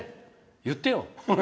言ってよ！